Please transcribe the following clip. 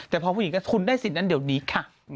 แต่พอผู้หญิงก็คุณได้สิทธิ์นั้นเดี๋ยวนี้ค่ะ